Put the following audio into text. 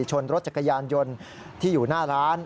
ชนรถจักรยานยนต์ที่อยู่หน้าร้าน